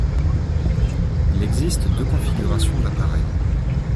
Il existe deux configurations d'appareil.